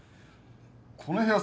この部屋